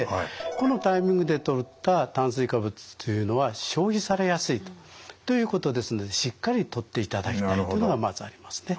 このタイミングでとった炭水化物というのは消費されやすいということですのでしっかりとっていただきたいというのがまずありますね。